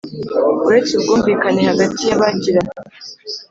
Uretse ubwumvikane hagati y abagiranye